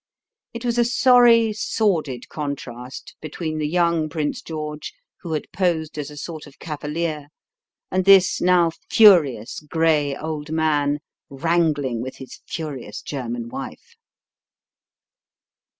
It was a sorry, sordid contrast between the young Prince George who had posed as a sort of cavalier and this now furious gray old man wrangling with his furious German wife.